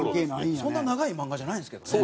そんな長い漫画じゃないんですけどね。